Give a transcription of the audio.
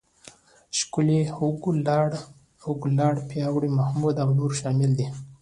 ښکلی، هوګو، لاړ، پیاوړی، محمود او نور شامل دي.